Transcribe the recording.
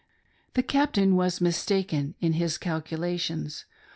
The Captain was mistaken in his calculations.